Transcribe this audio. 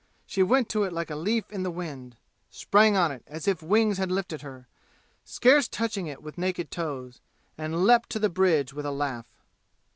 She went to it like a leaf in the wind sprang on it as if wings had lifted her, scarce touching it with naked toes and leapt to the bridge with a laugh.